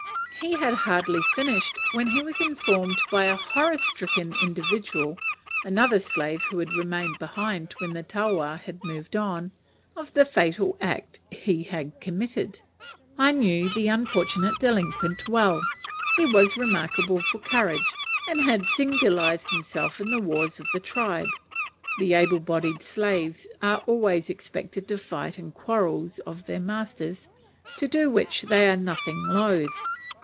He had hardly finished, when he was informed by a horror stricken individual another slave who had remained behind when the taua had moved on of the fatal act he had committed. I knew the unfortunate delinquent well: he was remarkable for courage, and had signalized himself in the wars of the tribe. (The able bodied slaves are always expected to fight in the quarrels of their masters; to do which they are nothing loth.)